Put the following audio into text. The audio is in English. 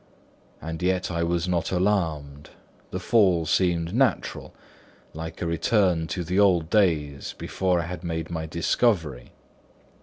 And yet I was not alarmed; the fall seemed natural, like a return to the old days before I had made my discovery.